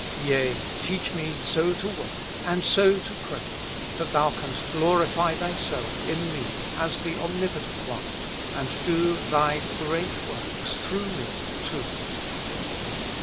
Yea, teach me so to work and so to pray that Thou canst glorify Thyself in me as the Omnipotent One, and do Thy great works through me too.